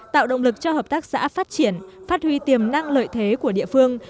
tạo động lực cho hợp tác xã phát triển phát huy tiềm năng lợi thế của địa phương